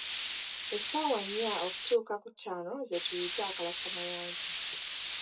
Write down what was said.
Essaawa nnya okutuuka ku ttaano ze tuyita "akalasa mayanzi" .